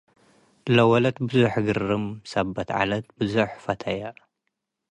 ለወለት ብዞሕ ግር'ም ሰበት ዐለት ብዞሕ ፈተየ።